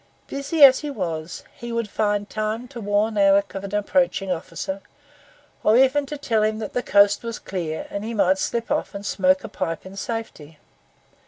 Busy as he was, he would find time to warn Alick of an approaching officer, or even to tell him that the coast was clear, and he might slip off and smoke a pipe in safety.